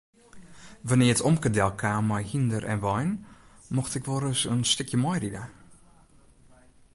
Wannear't omke delkaam mei hynder en wein mocht ik wolris in stikje meiride.